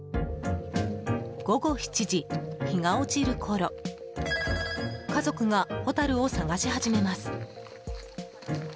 午後７時、日が落ちるころ家族がホタルを探し始めます。